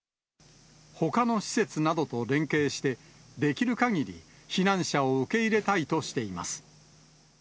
ほかの施設などと連携して、できるかぎり避難者を受け入れたいとしています。